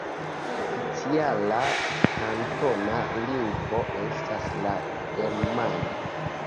Oficiala kantona lingvo estas la germana.